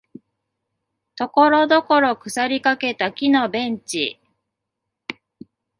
ところどころ腐りかけた木のベンチ